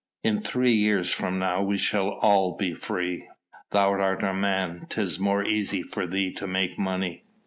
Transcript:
In three years from now we shall all be free." "Thou art a man; 'tis more easy for thee to make money.